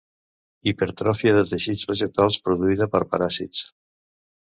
Hipertròfia de teixits vegetals produïda per paràsits.